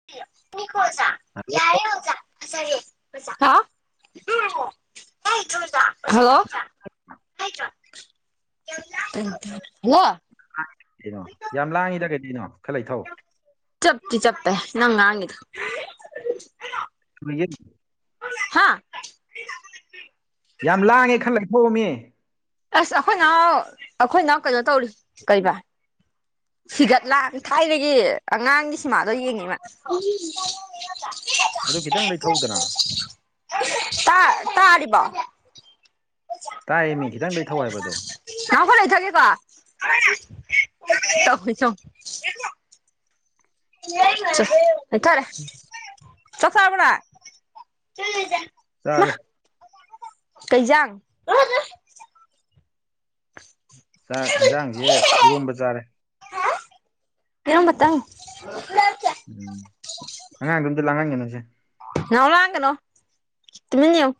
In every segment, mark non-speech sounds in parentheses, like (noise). (unintelligible) Hello (unintelligible) hello (unintelligible) hello (unintelligible) ꯀꯩꯅꯣ ꯌꯥꯝ ꯂꯥꯡꯉꯤꯗ ꯀꯔꯤꯅꯣ ꯈꯔ ꯂꯩꯊꯧ ꯆꯞꯇꯤ ꯆꯞꯄꯦ ꯅꯪ ꯉꯥꯡꯉꯤꯗ‌ꯣ (unintelligible) ꯍꯥ ꯌꯥꯝ ꯂꯥꯡꯉꯦ ꯈꯔ ꯂꯩꯊꯧꯃꯤ ꯑꯁ ꯑꯩꯈꯣꯏꯅꯥꯎ ꯑꯩꯈꯣꯏꯅꯥꯎ ꯀꯩꯅꯣ ꯇꯧꯔꯤ ꯀꯩꯕꯥ ꯍꯤꯒꯠꯂꯥꯡ ꯊꯥꯏꯅꯒꯤ ꯑꯉꯥꯡꯒꯤ ꯁꯤꯃꯥꯗꯣ ꯌꯦꯡꯉꯤ ꯃꯥ ꯑꯗꯨ ꯈꯤꯇꯪ (unintelligible) ꯂꯩꯊꯧꯗꯅ (unintelligible) ꯇꯥ ꯇꯥꯔꯤꯕꯣ ꯇꯥꯏꯌꯦꯃꯤ ꯈꯤꯇꯪ ꯂꯩꯊꯧ ꯍꯥꯏꯕ ꯑꯗꯣ ꯅꯥꯎ ꯈꯔ ꯂꯩꯊꯒꯦꯀꯣ ꯇꯧꯏꯁ‌ꯦ ꯌ‌‌ꯦꯡ (unintelligible) (unintelligible) ꯆꯥꯛ ꯆꯥꯔꯕ‌ꯣ ꯅꯪ ꯆꯥꯔꯦ ꯀꯩꯖꯥꯡ (unintelligible) (unintelligible) ꯆꯥꯛ ꯏꯟꯖꯥꯡꯁꯦ ꯏꯔꯣꯝꯕ ꯆꯥꯔꯦ (unintelligible) ꯑꯩ ꯑꯃꯇꯪ ꯎꯝ ꯑꯉꯥꯡꯗꯣ ꯑꯝꯇ ꯂꯥꯡꯍꯟꯒꯅꯨꯁꯦ ꯅꯥꯎ ꯂꯥꯡꯒꯅꯣ ꯇꯨꯃꯤꯟ ꯏꯌꯨ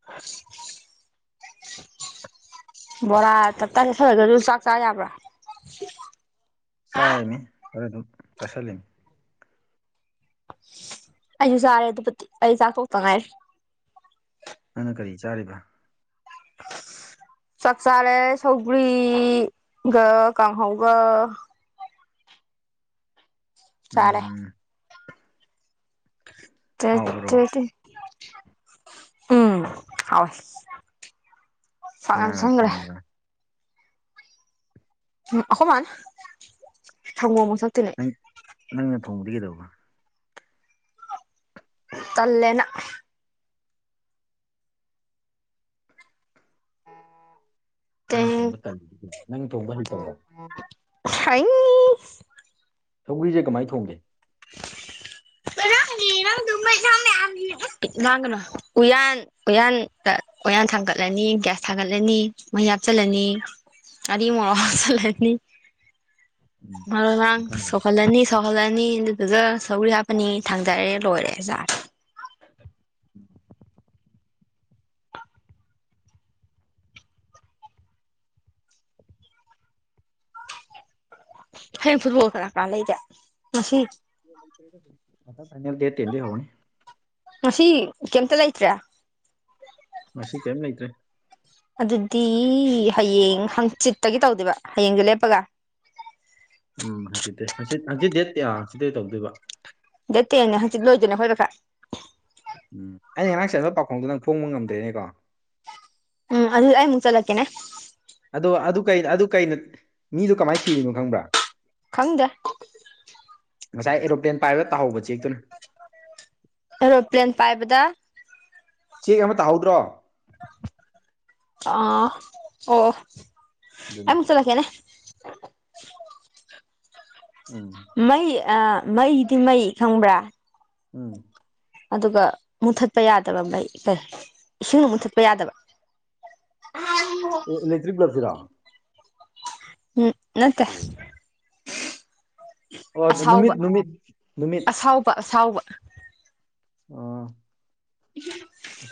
(unintelligible) ꯕꯣꯔꯥ ꯇꯞꯇꯥ ꯆꯥꯁꯜꯂꯒꯁꯨ ꯆꯥꯛ ꯆꯥ ꯌꯥꯕ꯭ꯔꯥ ꯆꯥꯔꯅꯤ ꯈꯔ ꯑꯗꯨꯝ ꯆꯥꯥꯁꯜꯂꯤꯅꯤ ꯑꯩꯁꯨ ꯆꯥꯔꯦ ꯑꯗꯨꯕꯨꯗꯤ ꯑꯩ ꯆꯥꯛ ꯇ‌ꯣꯛꯇ ꯉꯥꯏꯔꯤ ꯅꯪꯅ ꯀꯔꯤ ꯆꯥꯔꯤꯕ ꯆꯥꯛ ꯆꯥꯔꯦ ꯁꯧꯒ꯭ꯔꯤꯒ ꯀꯥꯡꯍꯧꯒ ꯆꯥꯔꯦ ꯎꯝ ꯍꯥꯎꯕ꯭ꯔꯣ (unintelligible) ꯎꯝ ꯍꯥꯎꯋ‌‌ꯦ ꯀꯅꯥꯅ ꯊꯣꯡꯉꯤꯕ ꯑ ꯑꯈ‌ꯣꯏꯃꯥꯅ ꯊꯔ‌ꯣ ꯃꯁꯛ ꯅꯪ ꯅꯪꯅ ꯊꯣꯡꯕꯗꯤ ꯀꯩꯗꯧꯕ ꯇꯜꯂꯦꯅ ꯅꯪꯅ ꯊꯣꯡꯕ ꯇꯜꯂꯤꯗꯤ ꯀꯩꯒꯤ ꯅꯪꯅ ꯊꯣꯡꯕ ꯍꯩꯇꯕ‍꯭ꯔ‌ꯣ ꯍꯩ ꯁꯧꯒ꯭ꯔꯤꯁꯦ ꯀꯃꯥꯏꯅ ꯊꯣꯡꯒꯦ (unintelligible) ꯂꯥꯡꯒꯅ‌ꯣ ꯎꯌꯥꯟ ꯎꯌꯥꯟꯗ ꯎꯌꯥꯟ ꯊꯥꯡꯒꯠꯂꯅꯤ ꯒ꯭ꯌꯥꯁ ꯊꯥꯒꯠꯂꯅꯤ ꯃꯍꯤ ꯍꯥꯞꯆꯜꯂꯅꯤ ꯉꯔꯤ ꯃꯣꯔ‌ꯣꯛ ꯍꯥꯞꯆꯜꯂꯅꯤ ꯎꯝ ꯃꯔꯣꯏ ꯃꯔꯥꯡ ꯈꯪꯗꯦ ꯁꯧꯍꯜꯂꯅꯤ ꯁꯧꯍꯜꯂꯅꯤ ꯑꯗꯨꯗꯨꯒ ꯁꯧꯒꯔꯤ ꯍꯥꯞꯄꯅꯤ ꯊꯥꯡꯊꯔ‌ꯦ ꯂꯣꯏꯔꯦ ꯆꯥꯔꯖ ꯍꯌꯦꯡ ꯐꯨꯝꯕꯣꯜ ꯀꯅꯥ ꯀꯅꯥ ꯂꯩꯒꯦ ꯉꯁꯤ ꯀ꯭ꯋꯥꯇꯔ ꯐꯥꯏꯅ‌ꯦꯜ ꯗꯦꯠ ꯇ‌ꯦꯟꯗꯒꯤ ꯍꯧꯔꯅꯤ ꯉꯁꯤ ꯀꯩꯝꯇ ꯂꯩꯇ꯭ꯔꯦ ꯉꯁꯤ ꯀꯦꯝ ꯂꯩꯇ꯭ꯔ‌ꯦ ꯑꯗꯨꯗꯤ ꯍꯌꯦꯡ ꯍꯪꯆꯤꯠꯇꯒꯤ ꯇꯧꯗꯨꯏꯕ ꯍꯌꯦꯡꯗ‌ꯣ ꯂꯦꯞꯄꯒ ꯎꯝ ꯍꯪꯆꯤꯠꯇꯩ ꯍꯪꯆꯤꯠ ꯍꯪꯆꯤꯠ ꯗꯦꯠ ꯀꯌꯥ ꯍꯪꯆꯤꯠꯇꯩ ꯇꯧꯗꯣꯏꯕ ꯗ‌ꯦꯠ ꯇꯦꯟꯅꯦ ꯍꯪꯆꯤꯠ ꯂꯣꯏꯗꯣꯏꯅꯦ ꯈ‌ꯣꯏ ꯄꯩꯈꯥ ꯎꯝ ꯑꯩꯅ ꯉꯔꯥꯡ ꯆꯠꯕ ꯄꯥꯎꯈꯣꯡꯗꯣ ꯅꯪ ꯐꯣꯡꯕ ꯉꯝꯗꯣꯏꯅꯤꯀꯣ ꯎꯝ ꯑꯗꯨ ꯑꯩꯃꯨꯛ ꯆꯂꯛꯦꯅꯦ ꯑꯗꯣ ꯑꯗꯨ ꯀ ꯑꯗꯨ ꯀꯩꯅꯣ ꯃꯤꯗꯨꯣ ꯀꯃꯥꯏꯅ ꯁꯤꯔꯤꯅꯣ ꯈꯪꯕ꯭ꯔꯥ ꯈꯪꯗꯦ ꯉꯁꯥꯏ ꯑꯦꯔꯣꯄ꯭ꯂꯦꯟ ꯄꯥꯏꯕ ꯇꯥꯍꯧꯕ ꯆꯦꯛꯇꯨꯅ ꯑꯔꯣꯄ꯭ꯂꯦꯟ ꯄꯥꯏꯕꯗ ꯆꯦꯛ ꯑꯃ ꯇꯥꯍꯧꯗ꯭ꯔꯣ ꯑ ꯑꯣ ꯑꯗꯨꯅ ꯑꯩꯃꯛ ꯆꯂꯀꯦꯅꯦ ꯎꯝ ꯃꯩ ꯃꯩꯗꯤ ꯃꯩ ꯈꯪꯕ꯭ꯔꯥ ꯎꯝ ꯑꯗꯨꯒ ꯃꯨꯊꯠꯄ ꯌꯥꯗꯕ ꯃꯩ ꯀꯩ ꯏꯁꯤꯡꯅ ꯃꯨꯊꯠꯄ ꯌꯥꯗꯕ ꯑ ꯑꯦ ꯏꯂꯦꯛꯇ꯭ꯔꯤꯛ ꯕ꯭ꯂꯕꯁꯤꯔꯣ ꯎꯝ ꯅꯠꯇꯦ ꯑꯣ ꯑꯁꯥꯎꯕ ꯅꯨꯃꯤꯠ ꯅꯨꯃꯤꯠ ꯅꯨꯃꯤꯠ ꯑꯁꯥꯎꯕ ꯑꯁꯥꯎꯕ ꯑꯥ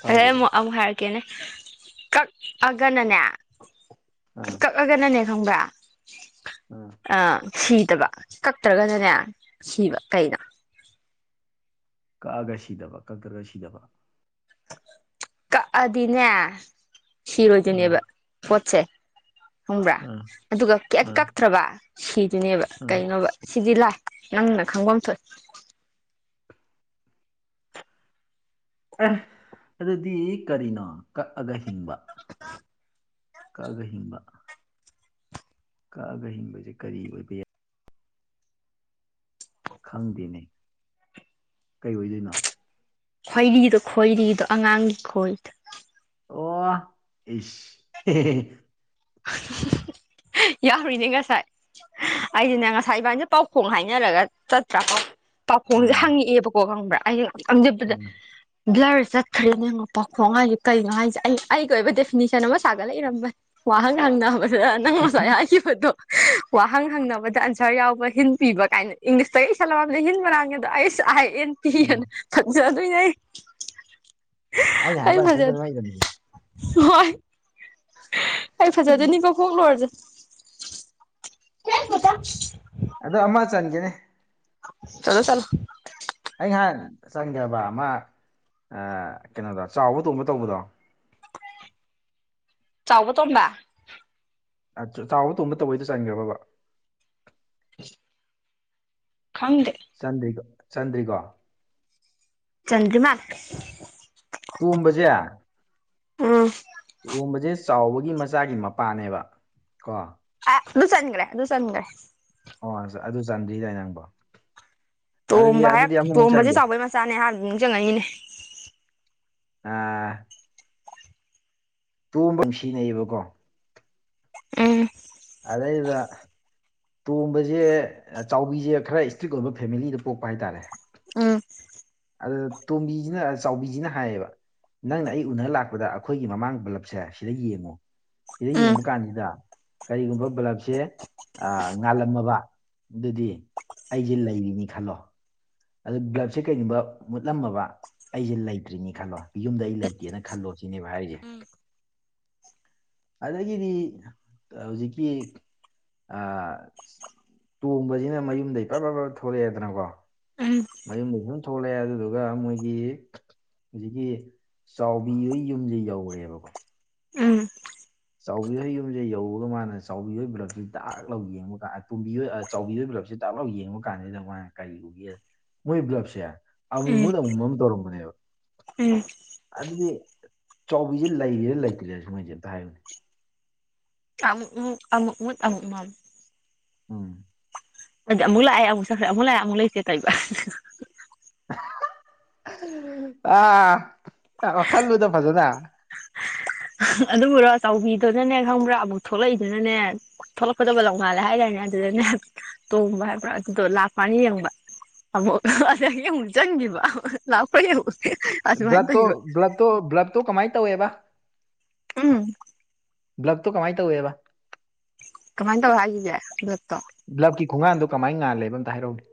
ꯑꯗꯩ ꯑꯃꯨꯛ ꯑꯃꯨꯛ ꯍꯥꯏꯔꯛꯀꯦꯅꯦ ꯀꯛꯑꯒꯅꯅꯦ ꯑꯥ ꯀꯛꯑꯒꯅꯅꯦ ꯈꯪꯕ꯭ꯔ ꯎꯝ ꯁꯤꯗꯕ ꯀꯛꯇ꯭ꯔꯒꯅꯅꯦ ꯁꯤꯕ ꯀꯩꯅꯣ ꯀꯛꯑꯒ ꯁꯤꯗꯕ ꯀꯛꯇ꯭ꯔꯒ ꯁꯤꯗꯕ ꯀꯗꯤꯅꯦ ꯎꯝ ꯁꯤꯔꯣꯏꯗꯤꯅꯦꯕ ꯍꯣꯠꯁꯦ ꯈꯪꯕ꯭ꯔꯥ ꯎꯝ ꯑꯗꯨꯒ ꯀ ꯎꯝ ꯀꯛꯛꯇ꯭ꯔꯕ ꯁꯤꯗꯨꯅꯦꯕ ꯎꯝ ꯀꯩꯅꯣꯕ ꯁꯤꯗꯤ ꯂꯥꯏ ꯅꯪꯅ ꯈꯪꯣꯝꯁ ꯑꯗꯨꯗꯤ ꯀꯔꯤꯅꯣ ꯀꯛꯑꯒ ꯍꯤꯡꯕ ꯀꯥꯜꯒꯍꯤꯕ ꯀꯛꯑꯒ ꯍꯤꯡꯕꯗꯤ ꯀꯔꯤ ꯑꯣꯏꯕ ꯌꯥꯏ ꯈꯪꯗꯦꯅꯦ ꯀꯩ ꯑꯣꯏꯗꯣꯏꯅꯣ ꯈꯣꯏꯔꯤꯗꯣ ꯈꯣꯏꯔꯤꯗꯣ ꯑꯉꯥꯡꯒꯤ ꯈꯣꯏꯗ ꯑꯣ ꯏꯁ ꯌꯥꯔꯤꯅꯦ ꯉꯁꯥꯏ ꯑꯩꯗꯤꯅꯦ ꯉꯁꯥꯏ ꯏꯕꯥꯁꯦ ꯄꯥꯎꯈꯣꯡ ꯍꯥꯏꯅꯔꯒ ꯆꯠꯇ꯭ꯔꯥꯀꯣ ꯄꯥꯈꯣꯡꯁꯦ ꯎꯝ ꯍꯪꯉꯛꯑꯦꯕꯀꯣ ꯈꯪꯕ꯭ꯔꯥ ꯑꯩꯅ ꯈꯪꯖꯕꯗ ꯎꯝ ꯕ꯭ꯂꯔ ꯆꯠꯈ꯭ꯔꯔꯤ ꯅꯉꯣ ꯄꯥꯎꯈꯣꯡ ꯍꯥꯏꯁꯦ ꯀꯩꯅꯣ ꯍꯥꯏꯁꯦ ꯑꯩ ꯑꯩꯒꯤ ꯑꯣꯏꯕ ꯗꯦꯐꯤꯅꯤꯁꯟ ꯑꯃ ꯁꯥꯒꯠꯂꯛ ꯏꯔꯝꯕꯅꯦ ꯋꯥꯍꯪ ꯍꯪꯅꯕꯗ ꯅꯪ ꯑꯣꯖꯥ ꯍꯥꯏꯈꯤꯕꯗꯣ ꯋꯥꯍꯪ ꯍꯪꯅꯕꯗ ꯑꯟꯁꯔ ꯌꯥꯎꯕ ꯍꯤꯟ ꯄꯤꯕ ꯀꯥꯏꯅ ꯏꯪꯂꯤꯁꯇ ꯏꯁꯟꯂꯝꯗ ꯍꯤꯟ ꯃꯅꯥꯥꯡꯒꯗꯣ ꯑꯩ ꯥꯏ ꯑꯦꯟ ꯀꯤꯅ ꯎꯝ ꯐꯪꯖꯗꯣꯏꯅꯦ ꯑ ꯍꯥꯏꯕ ꯑꯥꯏꯁꯔꯗꯨꯔꯣ ꯅꯪ ꯉꯥꯏꯔꯝꯃꯤꯁꯦ ꯍꯣꯏ ꯑꯩ ꯐꯖꯗꯅꯤꯀ ꯀꯣꯛꯂꯣꯏꯨꯔꯁꯦ ꯑꯗꯣ ꯑꯃ ꯆꯟꯒꯦꯅꯦ ꯆꯂꯣ ꯆꯂ ꯑꯩ ꯉꯍꯥꯟ ꯆꯪꯈ꯭ꯔꯕ ꯃꯥ ꯀꯩꯅꯣꯗꯣ ꯆꯥꯎꯕ ꯇꯣꯡꯕ ꯇꯧꯕꯗꯣ ꯆꯥꯎꯕ ꯇꯣꯝꯕ ꯆꯥꯎꯕ ꯇꯣꯡꯕ ꯇꯧꯕꯩꯗ ꯆꯟꯈ꯭ꯔꯕ (inaudible) ꯈꯪꯗꯦ ꯆꯟꯗ꯭ꯔꯤꯒ ꯆꯥꯟꯗ꯭ꯔꯤꯒꯣ ꯆꯟꯗ꯭ꯔꯃꯥꯒ ꯇꯣꯝꯕꯁꯦ ꯎꯝ ꯇꯝꯕꯁꯦ ꯆꯥꯎꯕꯒꯤ ꯃꯆꯥꯒꯤ ꯃꯄꯥꯅꯦꯕ ꯀꯣ ꯑ ꯗꯨꯁꯟꯒ꯭ꯔꯦ ꯗꯨꯁꯟꯒ꯭ꯔꯦ ꯑꯣ ꯑꯗꯨ ꯆꯥꯟꯗ꯭ꯔꯤꯗꯥꯏ ꯅꯪꯕꯣ ꯑꯗꯨꯗꯤ ꯇꯣꯝꯕ ꯍꯥꯏꯞ ꯑꯗꯨꯗꯤ ꯑꯃꯃꯨꯛ ꯇꯣꯝꯕꯁꯦ ꯆꯟꯒꯦ ꯆꯥꯎꯕꯩ ꯃꯆꯥꯅꯦ (unintelligible) ꯅꯤꯡꯁꯤꯡ ꯉꯛꯏꯅꯤ ꯑꯥ ꯇꯣꯝꯕ ꯅꯨꯡꯁꯤꯅꯩꯌꯦꯕꯀꯣ ꯎꯝ ꯑꯗꯩ ꯗꯨꯗꯥ ꯇꯣꯝꯕꯁꯦ ꯆꯥꯎꯕꯤꯁꯦ ꯈꯔ ꯏꯁꯇ꯭ꯔꯤꯛ ꯑꯣꯏꯕ ꯐꯦꯃꯤꯂꯤꯗ ꯄꯣꯛꯄ ꯍꯥꯏꯇꯥꯔꯦ ꯑꯝ ꯑꯗꯨ ꯇꯣꯝꯕꯤꯁꯤꯅ ꯆꯥꯎꯕꯤꯁꯤꯅ ꯍꯥꯏꯌꯦꯕ ꯅꯪꯅ ꯑꯩ ꯎꯅꯔ ꯂꯥꯛꯄꯗ ꯑꯩꯈꯣꯏꯒꯤ ꯃꯃꯥꯡ ꯄꯨꯜꯂꯞꯁꯦ ꯁꯤꯗ ꯌꯦꯡꯉꯨ ꯁꯤꯗ ꯎꯝ ꯌꯦꯡꯕ ꯀꯥꯟꯁꯤꯗ ꯀꯔꯤꯒꯨꯝꯕ ꯕꯂꯞꯁꯦ ꯉꯥꯜꯂꯝꯃꯕ ꯑꯗꯨꯗꯤ ꯑꯩꯁꯦ ꯂꯩꯔꯤꯅꯤ ꯈꯜꯂꯣ ꯑꯗꯨ ꯒ꯭ꯂꯞꯁꯦ ꯀꯩꯒꯨꯝꯕ ꯃꯨꯠꯂꯝꯃꯕ ꯑꯩꯁꯦ ꯂꯩꯇ꯭ꯔꯤꯅꯤ ꯈꯜꯂꯣ ꯌꯨꯝꯗ ꯑꯩ ꯂꯩꯇꯦꯅ ꯈꯜꯂꯣ ꯁꯤꯅꯦꯕ ꯍꯥꯏꯔꯤꯁꯦ ꯑꯗꯒꯤꯗꯤ ꯍꯧꯖꯤꯛꯀꯤ ꯑꯥ ꯇꯣꯡꯕꯁꯤꯅ ꯃꯌꯨꯝꯗꯩ (unintelligible) ꯊꯣꯛꯂꯛꯑꯦꯗꯅꯀꯣ ꯎꯝ ꯃꯌꯨꯝꯗꯩ ꯁꯨꯝ ꯊꯣꯛꯂꯛꯑꯦ ꯑꯗꯨꯗꯨꯒ ꯃꯣꯏꯒꯤ ꯍꯧꯖꯤꯛꯀꯤ ꯆꯥꯎꯕꯤ ꯍꯣꯏ ꯌꯨꯝꯁꯦ ꯌꯧꯔꯦꯕꯀꯣ ꯎꯝ ꯆꯥꯎꯕꯤ ꯍꯣꯏ ꯌꯨꯝꯁꯦ ꯌꯧꯔꯒ ꯃꯥꯅ ꯆꯥꯎꯕꯤ ꯍꯣꯏ ꯕ꯭ꯔꯛꯇꯨ ꯗꯥꯛ ꯂꯧ ꯌꯦꯡꯕꯒ ꯇꯨꯝꯕꯤ ꯍꯣꯏ ꯆꯥꯎꯕꯤ ꯕ꯭ꯂꯞꯁꯦ ꯇꯥꯛꯂꯥꯎ ꯌꯦꯡꯕ ꯀꯥꯟꯁꯤꯗ ꯃꯥꯣꯏꯅ ꯀꯔꯤ ꯎꯒꯦ ꯃꯣꯏ ꯕ꯭ꯂꯞꯁꯦ ꯑꯃꯨ ꯎꯝ ꯃꯨꯠ ꯑꯃꯨ ꯃꯥꯝ ꯇꯧꯔꯝꯕꯅꯦꯕ ꯎꯝ ꯑꯗꯨꯗꯤ ꯆꯥꯎꯕꯤꯁꯦ ꯂꯩꯔꯤꯔ ꯂꯩꯇ꯭ꯔꯦ ꯁ ꯃꯣꯏꯁꯦ ꯑꯝꯇ ꯍꯥꯏꯌꯨꯅꯦ (unintelligible) ꯑꯃꯨꯛ ꯃꯨꯠ ꯑꯃꯨꯛ ꯃꯝ ꯎꯝ ꯑꯗꯤ ꯑꯃꯨꯛ ꯂꯥꯛꯑꯦ ꯑꯃꯨꯛ ꯆꯠꯈ꯭ꯔ ꯑꯃꯨꯛ ꯂꯥꯛꯑꯦ ꯑꯃꯛ ꯂꯩꯇꯦ ꯇꯥꯏꯕ (unintelligible) ꯑꯥ ꯋꯥꯈꯜꯂꯨꯗ ꯐꯖꯗ ꯑꯗꯨꯕꯨꯔꯣ ꯆꯥꯎꯕꯤꯗꯨꯅꯅꯦ ꯈꯪꯕ꯭ꯔꯥ ꯑꯃꯨꯛ ꯊꯣꯛꯂꯛꯏꯗꯨꯅꯅꯦ ꯊꯣꯛꯂꯛꯄꯗ ꯕꯥꯂꯞ ꯉꯥꯜꯂꯦ ꯍꯥꯏꯗꯥꯏꯅꯦ ꯑꯗꯨꯗꯅꯦ ꯇꯣꯡꯕ ꯍꯥꯏꯕ꯭ꯔꯥ ꯑꯗꯨꯗꯣ ꯂꯥꯛꯄꯅ ꯌꯦꯡꯕ (unintelligible) ꯆꯪꯒꯤꯕꯥ (unintelligible) ꯕ꯭ꯂꯨꯞꯇꯣ ꯕ꯭ꯂꯨꯞꯇꯣ ꯕ꯭ꯂꯨꯞꯇꯣ ꯀꯃꯥꯏ ꯇꯧꯋꯦꯕ ꯎꯝ ꯕ꯭ꯂꯛꯇꯣ ꯀꯃꯥꯏ ꯇꯧꯋꯦꯕ ꯀꯃꯥꯏ ꯇꯧ ꯍꯥꯏꯁꯤꯗꯤ ꯕꯂꯨꯞ ꯇꯣ ꯕ꯭ꯂꯨꯞ ꯀꯤ ꯈꯣꯡꯒꯥꯡꯗꯣ ꯀꯃꯥꯏ ꯉꯥꯜꯂꯦꯕ ꯑꯝꯇ ꯍꯥꯏꯔꯛꯎꯅꯦ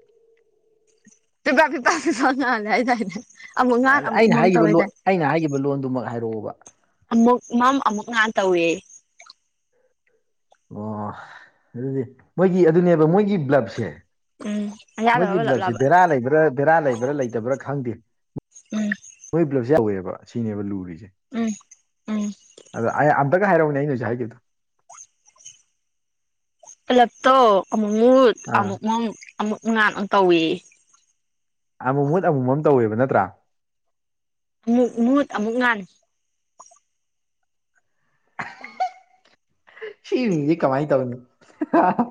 ꯄꯤꯄꯥ ꯄꯤꯄꯥꯁꯨ ꯁ ꯉꯥꯜꯂꯦ ꯍꯥꯏꯗꯥꯏꯅꯦ ꯑꯃꯨꯛ ꯉꯍꯥꯟ ꯑꯃꯨꯛ ꯑꯩꯅ ꯃꯝ ꯍꯥꯏꯈꯤꯕ ꯂꯣꯟ ꯇꯧꯋꯦꯗꯥꯏ ꯑꯩꯅ ꯍꯥꯏꯈꯤꯕ ꯂꯣꯟꯗꯨꯃꯛ ꯍꯥꯏꯔꯛꯑꯣꯕ ꯑꯃꯨꯛ ꯃꯝ ꯑꯃꯨꯛ ꯉꯥꯟ ꯇꯧꯋꯦ ꯑꯣ ꯑꯗꯨꯗꯤ ꯃꯣꯏꯒꯤ ꯑꯗꯨꯅꯦꯕ ꯃꯣꯏꯒꯤ ꯕ꯭ꯂꯞꯁꯦ ꯎꯝ ꯑꯌꯥꯗꯕ ꯕꯂꯞ ꯃꯣꯏꯒꯤꯕꯞꯁꯦ ꯂꯥꯕ ꯕꯦꯔꯥ ꯂꯩꯕ꯭ꯔꯥ ꯕꯦꯔꯥ ꯂꯩꯕ꯭ꯔꯥ ꯂꯩꯇꯕ꯭ꯔꯥ ꯈꯪꯗꯦ ꯎꯝ ꯃꯣꯏ ꯕꯂꯞꯁꯦ ꯌꯥꯎꯋꯦꯕ ꯁꯤꯅꯦꯕ ꯂꯨꯔꯤꯁꯦ ꯎꯝ ꯎꯝ ꯑꯗꯣ ꯑꯩ ꯑꯝꯇꯀ ꯍꯥꯏꯔꯛꯎꯅꯦ ꯑꯩꯅꯁ ꯍꯨꯖꯤꯛ ꯍꯥꯏꯈꯤꯕꯗꯨ ꯄꯨꯂꯞꯛꯇꯣ ꯑꯃꯨꯛ ꯃꯨꯠ ꯑꯥ ꯑꯃꯨꯛ ꯃꯥꯝ ꯑꯃꯨꯛ ꯉꯟ ꯑꯃꯨꯛ ꯇꯧꯑꯌꯦ ꯑꯃꯨ ꯃꯨꯠ ꯑꯃꯨꯃ ꯃꯝ ꯇꯧꯋꯦꯕ ꯅꯠꯇ꯭ꯔꯥ ꯑꯃꯨꯛ ꯃꯍꯨꯠ ꯑꯃꯨꯛ ꯉꯥꯟ ꯁꯤꯅꯤꯗꯤ ꯀꯃꯥꯏꯅ ꯇꯧꯅꯤ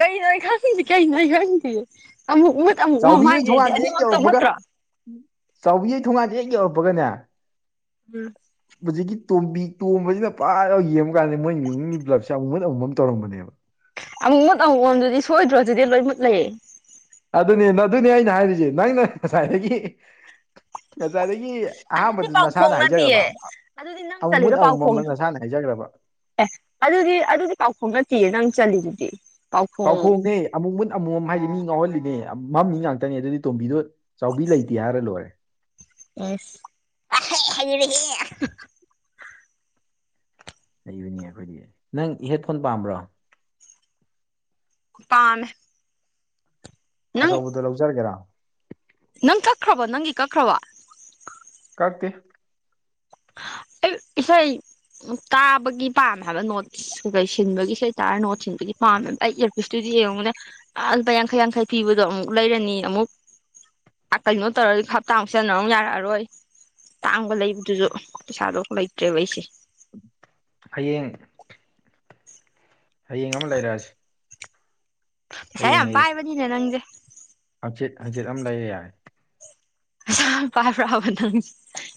ꯀꯩꯅꯣ ꯑꯩ ꯈꯪꯉꯤꯁꯤ ꯀꯩꯅꯣ ꯑꯩ ꯈꯪꯗꯤꯌꯦ ꯑꯃꯨꯛ ꯃꯨꯠ ꯑꯃꯨꯛ ꯃꯝ ꯆꯥꯎꯕꯤ ꯍꯣꯏ ꯃꯃꯥꯏꯗꯗꯤ ꯊꯣꯡꯒꯥꯟꯁꯦ ꯍꯦꯛ ꯑꯅꯤꯃꯛꯇ ꯌꯧꯔꯛꯄꯒ ꯃꯨꯠꯇ꯭ꯔꯣ ꯆꯥꯎꯕꯤ ꯌꯩ ꯊꯣꯡꯒꯥꯟꯁꯦ ꯍꯦꯛ ꯌꯧꯔꯛꯄꯒꯅꯦ ꯎꯝ ꯍꯧꯖꯤꯛꯀꯤ ꯇꯣꯝꯕꯤ ꯇꯣꯝꯕꯁꯤꯅ ꯐꯥꯅ ꯌꯦꯡꯕ ꯀꯥꯟꯗ ꯃꯣꯏꯒꯤ ꯏꯃꯨꯡꯒꯤ ꯕ꯭ꯂꯞꯁꯦ ꯑꯃꯨꯛ ꯃꯨꯠ ꯑꯃꯨꯛ ꯃꯝ ꯇꯧꯔꯝꯕꯅꯦꯕ ꯑꯃꯨꯛ ꯃꯨꯠ ꯑꯃꯨꯛ ꯃꯝꯗꯨꯗꯤ ꯁꯣꯏꯗ꯭ꯔꯣꯗꯨꯗꯤ ꯂꯣꯏ ꯃꯨꯠ ꯂꯩꯌꯦ ꯑꯗꯨꯅꯦꯅ ꯑꯗꯨꯅꯦ ꯑꯩꯅ ꯍꯥꯏꯔꯤꯁꯦ ꯅꯪꯅ ꯉꯁꯥꯏꯗꯒꯤ ꯉꯁꯥꯏꯗꯒꯤ ꯑꯗꯨꯗꯤ ꯑꯍꯥꯟꯕꯗ ꯄꯥꯎꯈꯣꯡ ꯅꯁꯥꯅ ꯍꯥꯏꯖꯈ꯭ꯔꯕ ꯅꯠꯇꯤꯌꯦ ꯑꯗꯨꯗꯤ ꯅꯪ ꯑꯃꯨꯛ ꯃꯨꯠ ꯑꯃꯨꯛ ꯃꯝ ꯑꯅ ꯅꯁꯥꯅ ꯍꯥꯏꯖꯈ꯭ꯔꯕ ꯑꯦ ꯑꯗꯨꯗꯤ ꯑꯗꯨꯗꯤ ꯄꯥꯎꯈꯨꯝ ꯅꯠꯇꯦꯌꯦ ꯅꯪ ꯆꯜꯂꯤꯗꯨꯗꯤ ꯄꯥꯎ ꯈꯣꯡꯗꯤ ꯑꯃꯨꯛ ꯃꯨꯠ ꯑꯃꯨꯃꯝ ꯍꯥꯏꯗꯤ ꯃꯤ ꯉꯥꯎꯍꯜꯂꯤꯅꯦ ꯃꯝ ꯃꯤ ꯉꯥꯛꯇꯅꯦ ꯑꯗꯨꯗꯤ ꯇꯣꯝꯕꯤꯗꯣ ꯆꯥꯎꯕꯤ ꯂꯩꯇꯦ ꯍꯥꯏꯔ ꯂꯣꯏꯔꯦ ꯑꯦꯁ ꯍꯥꯏ ꯍꯩꯔꯦꯍꯦ ꯑꯩꯕꯅꯤ ꯑꯩꯈꯣꯏꯗꯤ ꯅꯪ ꯍꯦꯠꯐꯣꯟ ꯄꯥꯝꯕ꯭ꯔꯣ ꯄꯥꯝꯃꯦ ꯅꯪ ꯑꯆꯧꯕꯗꯣ ꯂꯧꯖꯔꯒꯦꯔꯥ ꯅꯪ ꯀꯛꯈ꯭ꯔꯕꯣ ꯅꯪꯒꯤ ꯀꯛꯈ꯭ꯔꯕꯣ ꯀꯛꯇꯦ ꯑꯩ ꯏꯁꯩ ꯀꯥꯕꯒꯤ ꯄꯥꯝꯃꯦ ꯍꯥꯏꯕ ꯅꯣꯠ ꯀꯩ ꯁꯤꯟꯕꯒꯤ ꯏꯁꯩꯇꯥꯔ ꯅꯣꯠ ꯁꯤꯟꯕꯒꯤ ꯄꯥꯝꯃꯦꯕ ꯑꯩ ꯏꯔꯄꯨꯁꯇꯨꯗꯤ ꯌꯦꯡꯉꯨꯅꯦ ꯑ ꯂꯨꯄꯥ ꯌꯥꯡꯈꯩ ꯌꯥꯡꯈꯩ ꯄꯤꯕꯗꯣ ꯑꯃꯨꯛ ꯂꯩꯔꯅꯤ ꯑꯃꯨꯛ ꯀꯩꯅꯣ ꯇꯧꯔꯗꯤ ꯍꯞꯇꯥꯥꯡ ꯑꯃꯨꯛꯁꯤꯟꯅ ꯑꯃꯨꯛ ꯌꯥꯔꯛꯑꯔꯣꯏ ꯇꯥꯡꯕ ꯂꯩꯕꯗꯨꯁꯨ ꯄꯩꯁꯥꯗꯣ ꯑꯝ ꯂꯩꯇꯔꯦꯕ ꯑꯩꯁꯦ ꯍꯌꯦꯡ ꯍꯌꯦꯡ ꯑꯃ ꯂꯩꯔꯑꯁꯤ ꯄꯩꯁꯥ ꯌꯥꯝ ꯄꯥꯏꯕꯅꯤꯅ ꯅꯪꯗꯤ ꯍꯪꯆꯤꯠ ꯍꯪꯆꯤꯠ ꯑꯃ ꯂꯩꯌꯦ ꯌꯥꯏ ꯄꯩꯁꯥ ꯄꯥꯏꯕ꯭ꯔꯥꯕ ꯅꯪ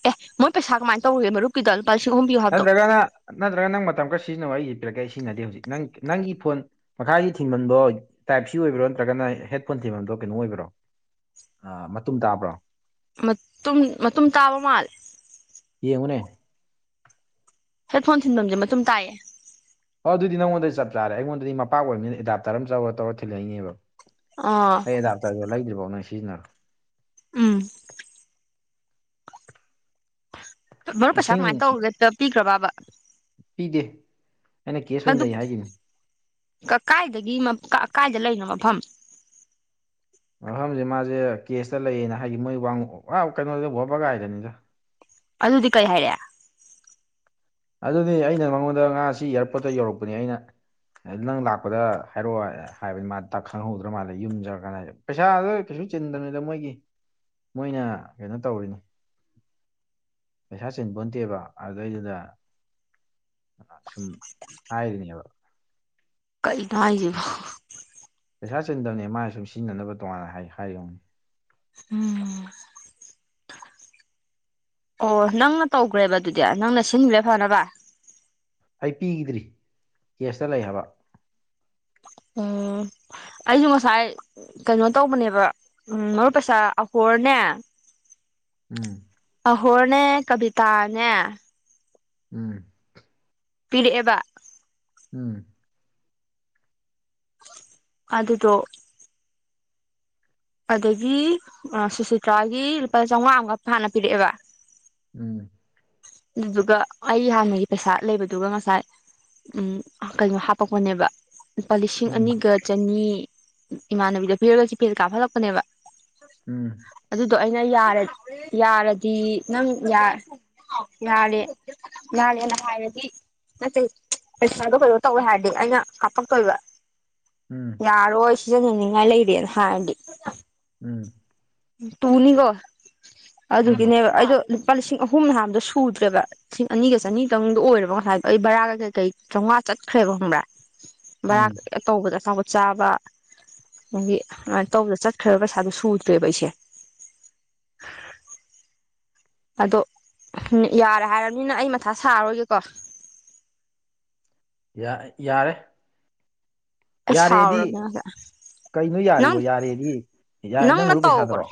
ꯑꯦ ꯃꯣꯏ ꯄꯩꯁꯥ ꯀꯃꯥꯏꯅ ꯇꯧꯔꯒꯦ ꯃꯔꯨꯞ (unintelligible) ꯂꯤꯁꯤꯡ ꯑꯍꯨꯝ ꯍꯥꯏꯕꯗꯣ ꯅꯠꯇ꯭ꯔꯒꯅ ꯅꯠꯇ꯭ꯔꯒꯅ ꯅꯪ ꯃꯇꯝ ꯈꯔ ꯁꯤꯖꯤꯟꯅꯧ ꯑꯩ ꯌꯦ ꯄꯤꯔꯛꯒꯦ ꯑꯩ ꯁꯤꯖꯤꯟꯅꯗꯦ ꯍꯧꯖꯤꯛ ꯅꯪ ꯅꯪꯒꯤ ꯐꯣꯟ ꯃꯈꯥꯒꯤ ꯊꯤꯟꯕꯝꯗꯣ ꯇꯥꯏꯞ ꯁꯤ ꯑꯣꯏꯕ꯭ꯔꯣ ꯅꯠꯇ꯭ꯔꯒꯅ ꯍꯦꯠꯐꯣꯟ ꯊꯤꯟꯃꯟꯗꯣ ꯀꯩꯅꯣ ꯑꯣꯏꯕ꯭ꯔꯣ ꯑ ꯃꯇꯨꯝ ꯇꯥꯕ꯭ꯔꯣ ꯃꯇꯨꯝ ꯃꯇꯨꯝ ꯇꯥꯕ ꯃꯥꯜꯂꯦ ꯌꯦꯡꯉꯨꯅꯦ ꯍꯦ ꯐꯣꯟ ꯊꯤꯟꯐꯝꯁꯦ ꯃꯇꯨꯝ ꯇꯥꯏꯑꯦ ꯑꯣ ꯑꯗꯨꯗꯤ ꯅꯉꯣꯟꯗ ꯆꯞ ꯆꯥꯔꯦ ꯑꯩꯉꯣꯟꯗꯗꯤ ꯃꯄꯥꯛ ꯑꯣꯏꯕꯅꯤꯅ ꯑꯦꯗꯥꯞꯇꯔ ꯑꯃ ꯇꯧꯔ ꯇꯧꯔ ꯊꯤꯜꯂꯛꯏꯕ ꯑꯥ ꯑꯩ ꯑꯦꯗꯥꯞꯇꯔꯗ ꯂꯩꯗ꯭ꯔꯤꯕꯐꯥꯎ ꯅꯣꯏ ꯁꯤꯖꯤꯟꯅꯔꯣ ꯎꯝ ꯄꯦꯄꯔ ꯄꯩꯁꯥ ꯏꯁꯤꯡ ꯀꯃꯥꯏꯅ ꯇꯧꯔꯒꯦ ꯄꯤꯈ꯭ꯔꯕꯕ ꯄꯤꯗꯦ ꯑꯩꯅ ꯀꯦꯁ ꯑꯣꯏꯅ ꯂꯩ ꯍꯥꯏꯈꯤꯕꯅꯤ ꯀꯀꯥꯏꯗꯒꯤ ꯀꯀꯥꯏꯗ ꯂꯩꯅꯣ ꯃꯐꯝ ꯃꯐꯝꯁꯦ ꯃꯥꯁꯦ ꯀꯦꯁꯇ ꯂꯩꯌꯦꯅ ꯍꯥꯏꯗꯤ ꯃꯣꯏ ꯋꯥꯡꯉ ꯀꯩꯅꯣꯗ ꯋꯥꯕ ꯒꯥꯏꯗꯅꯤꯗ ꯑꯗꯨꯗꯤ ꯀꯔꯤ ꯍꯥꯏꯔꯛꯑꯦ ꯑꯗꯨꯗꯤ ꯑꯩꯅ ꯃꯉꯣꯟꯗ ꯉꯥꯁꯤ ꯏꯌꯥꯔꯄꯣꯔꯠꯇ ꯌꯧꯔꯛꯄꯅꯦ ꯑꯩꯅ ꯅꯪ ꯂꯥꯛꯄꯗ ꯍꯥꯏꯔꯛꯑꯣ ꯍꯥꯏꯕꯅꯤ ꯃꯥ ꯇꯥꯛ ꯈꯪꯍꯧꯗ꯭ꯔ ꯃꯥꯜꯂꯦ ꯌꯨꯝꯖꯔꯛꯀꯥꯟ ꯍꯥꯏ ꯄꯩꯁꯥꯗ ꯀꯩꯁꯨ ꯆꯤꯟꯗꯕꯅꯤꯗ ꯃꯣꯏꯒꯤ ꯃꯣꯏꯅ ꯀꯩꯅꯣ ꯇꯧꯔꯤꯅꯤ ꯄꯩꯁꯥ ꯆꯤꯟꯕꯇꯦꯕ ꯑꯗꯨꯗꯩꯗꯨꯗ ꯑ ꯁꯨꯝ ꯍꯥꯏꯔꯤꯅꯦꯕ ꯀꯩꯅꯣ ꯍꯥꯏꯁꯤꯕꯣ ꯄꯩꯁꯥ ꯆꯟꯗꯕꯅꯦ ꯃꯥꯏ ꯁꯨꯝ ꯁꯤꯖꯤꯟꯅꯅꯕ ꯇꯣꯉꯥꯟꯅ ꯍꯥꯏ ꯍꯥꯏꯔꯤ ꯑꯣꯏꯔꯝꯒꯅꯤ꯫ ꯎꯝ ꯑꯣ ꯅꯪꯅ ꯇꯧꯒ꯭ꯔꯦꯕ ꯑꯗꯨꯗꯤ ꯅꯪꯅ ꯁꯤꯟꯒ꯭ꯔꯦ ꯐꯅꯕ ꯑꯩ ꯄꯤꯒꯤꯗ꯭ꯔꯤ ꯀꯦꯁꯇ ꯂꯩ ꯍꯥꯏꯕ ꯎꯝ ꯑꯩꯁꯨ ꯉꯁꯥꯏ ꯀꯩꯅꯣ ꯇꯧꯕꯅꯦꯕ ꯎꯝ ꯃꯔꯨꯞ ꯄꯩꯁꯥ ꯑꯍꯣꯔꯅꯦ ꯎꯝ ꯑꯍꯣꯔꯅꯦ ꯀꯕꯤꯇꯥꯅꯦ ꯎꯝ ꯄꯤꯔꯛ ꯑꯦꯕ ꯎꯝ ꯑꯗꯨꯗꯣ ꯑꯗꯒꯤ ꯁꯨꯁꯤꯇ꯭ꯔꯥꯒꯤ ꯂꯨꯄꯥ ꯆꯥꯝꯃꯉꯥ ꯑꯃꯒ ꯐꯥꯅ ꯄꯤꯔꯛꯑꯦꯕ ꯎꯝ ꯑꯗꯨꯗꯨꯒ ꯑꯩ ꯍꯥꯟꯅꯒꯤ ꯄꯩꯁꯥ ꯂꯩꯕꯗꯨꯒ ꯉꯁꯥꯏ ꯎꯝ ꯀꯩꯅꯣ ꯍꯥꯄꯛꯄꯅꯦꯕ ꯂꯨꯄꯥ ꯂꯤꯁꯤꯡ ꯎꯝ ꯑꯅꯤꯒ ꯆꯅꯤ ꯏꯃꯥꯟꯅꯕꯤꯗ ꯄꯤꯔꯒ ꯆꯤꯐꯦꯁ ꯀꯥꯞꯍꯠꯂꯛꯄꯅꯦꯕ ꯎꯝ ꯑꯗꯨꯗꯣ ꯑꯩꯅ ꯌꯥꯔ ꯌꯥꯔꯗꯤ ꯅꯪ ꯌꯥ ꯌꯥꯔꯦ ꯌꯥꯔꯦꯅ ꯍꯥꯏꯔꯗꯤ ꯅꯠꯇꯦ ꯄꯩꯁꯥꯗꯣ ꯀꯩꯅꯣ ꯇꯧꯋꯦ ꯍꯥꯏꯔꯗꯤ ꯑꯩꯅ ꯍꯥꯞꯄꯛꯇꯣꯏꯕ ꯎꯝ ꯌꯥꯔꯣꯢ ꯁꯣꯖꯤꯟꯅꯅꯤꯡꯉꯥꯏ ꯂꯩꯔꯦꯅ ꯍꯥꯢꯔꯗꯤ ꯎꯝ ꯇꯨꯅꯤꯀꯣ ꯎꯝ ꯑꯗꯨꯒꯤꯅꯦꯕ ꯑꯩꯗꯣ ꯂꯨꯄꯥ ꯂꯤꯁꯤꯡ ꯑꯍꯨꯝ ꯅꯍꯥꯟꯗꯣ ꯁꯨꯗ꯭ꯔꯦꯕ ꯂꯤꯁꯤꯡ ꯑꯅꯤꯒ ꯆꯅꯤꯇꯪꯗ ꯑꯣꯏꯔꯕ ꯉꯁꯥꯏꯗꯣ ꯑꯩ ꯕꯔꯥ ꯀꯩꯀꯩ ꯆꯧꯉꯥ ꯆꯠꯈ꯭ꯔꯦꯕ ꯈꯪꯕ꯭ꯔꯥ ꯕꯔꯥ ꯎꯝ (unintelligible) ꯇꯧꯕꯗ ꯑꯆꯥꯄꯣꯠ ꯆꯥꯕ ꯑꯗꯒꯤ ꯑꯗꯨꯃꯥꯏꯅ ꯇꯧꯕꯗ ꯆꯠꯈ꯭ꯔꯕ ꯄꯩꯁꯥꯗꯨꯣ ꯁꯨꯗ (unintelligible) ꯑꯗꯣ ꯌꯥꯔꯦ ꯍꯥꯏꯔꯝꯃꯤꯅ ꯑꯩ ꯃꯊꯥ ꯁꯥꯔꯔꯣꯏꯒꯦꯀꯣ ꯌꯥ ꯑ ꯌꯥꯔꯦ ꯑꯩ ꯌꯥꯔꯦꯗꯤ ꯁꯥꯎꯔꯕꯅꯦ ꯉꯁꯥꯏ ꯀꯩꯅꯣ ꯌꯥꯔꯤꯕꯣ ꯅꯪ ꯌꯥꯔꯦꯗꯤ ꯌꯥꯔꯦ ꯅꯪ ꯅꯪꯅ ꯃꯔꯨꯞ ꯇꯧꯈ꯭ꯔꯣ ꯄꯩꯁꯥꯗꯨꯔꯣ